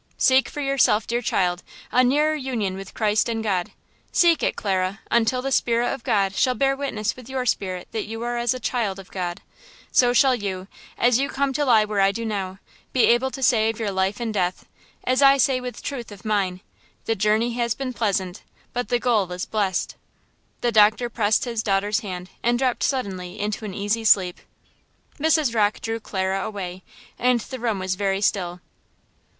"Seek for yourself, dear child, a nearer union with Christ and God. Seek it, Clara, until the spirit of God shall bear witness with your spirit that you are as a child of God; so shall you, as you come to lie where I do now, be able to say of your life and death, as I say with truth of mine: The journey has been pleasant, but the goal is blessed." The doctor pressed his daughter's hand and dropped suddenly into an easy sleep. Mrs. Rocke drew Clara away, and the room was very still.